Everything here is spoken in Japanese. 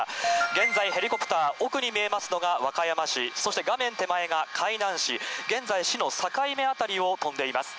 現在ヘリコプター、奥に見えますのが和歌山市、そして画面手前が海南市、現在、市の境目辺りを飛んでいます。